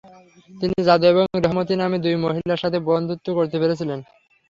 তিনি জানু এবং রেহমতী নামে দুই মহিলার সাথে বন্ধুত্ব করতে পেরেছিলেন।